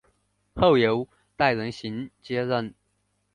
后由戴仁行接任。